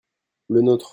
le nôtre.